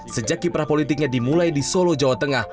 sejak kiprah politiknya dimulai di solo jawa tengah